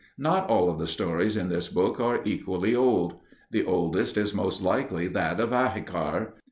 Not all of the stories in this book are equally old. The oldest is most likely that of Ahikar.